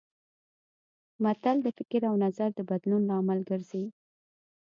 متل د فکر او نظر د بدلون لامل ګرځي